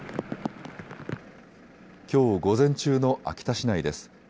きょう午前中の秋田市内です。